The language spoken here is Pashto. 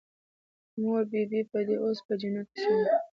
مور بي بي به دې اوس په جنت کښې وي.